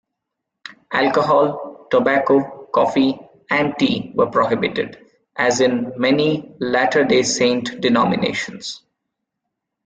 Alcohol, tobacco, coffee and tea were prohibited, as in many Latter Day Saint denominations.